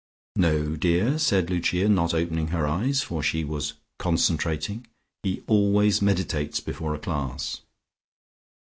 "No, dear," said Lucia, not opening her eyes, for she was "concentrating," "he always meditates before a class."